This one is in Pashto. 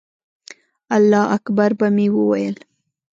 الله اکبر به مې وویل.